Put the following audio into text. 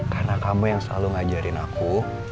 karena kamu yang selalu ngajarin aku